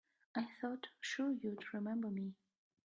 I thought sure you'd remember me.